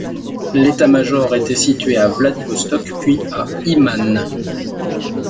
L’état-major était situé à Vladivostok puis à Iman.